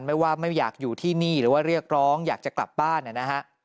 ไม่ว่าไม่อยากอยู่ที่นี่หรือว่าเรียกร้องอยากจะกลับบ้านนะฮะ